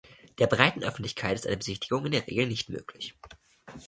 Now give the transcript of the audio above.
Der breiten Öffentlichkeit ist eine Besichtigung in der Regel nicht möglich.